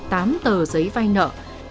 tám tờ giấy vay nợ